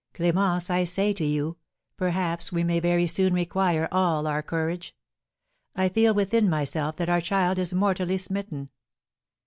Clémence, I say to you, perhaps we may very soon require all our courage, I feel within myself that our child is mortally smitten.